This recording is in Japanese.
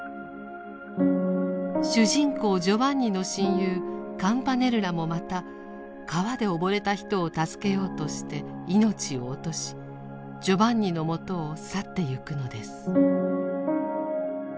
主人公ジョバンニの親友カムパネルラもまた川で溺れた人を助けようとして命を落としジョバンニのもとを去ってゆくのです。